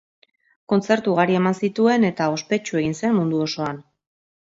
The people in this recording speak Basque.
Kontzertu ugari eman zituen, eta ospetsu egin zen mundu osoan.